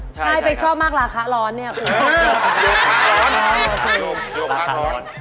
ใช่ใบชอบมากราคาร้อนเนี่ยครับ